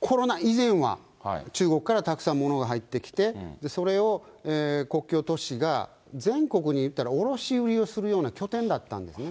コロナ以前は、中国からたくさん物が入ってきて、それを国境都市が、全国に、いったら、卸売をするような拠点だったんですね。